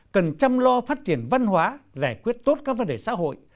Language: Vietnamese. cần chăm lo phát triển văn hóa giải quyết tốt các vấn đề xã hội